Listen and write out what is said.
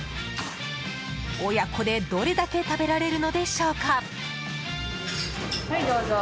親子で、どれだけ食べられるのでしょうか。